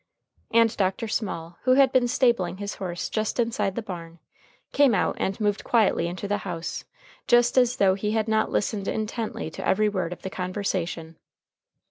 And Dr. Small, who had been stabling his horse just inside the barn, came out and moved quietly into the house just as though he had not listened intently to every word of the conversation.